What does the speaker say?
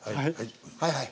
はいはい。